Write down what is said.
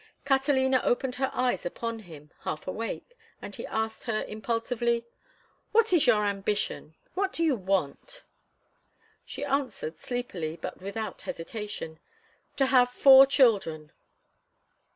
Catalina opened her eyes upon him, half awake, and he asked her, impulsively: "What is your ambition? What do you want?" She answered, sleepily, but without hesitation, "To have four children."